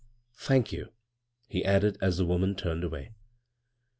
Thank you," he added, as the woman turned away.